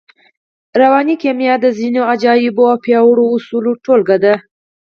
رواني کيميا د ځينو عجييو او پياوړو اصولو ټولګه ده.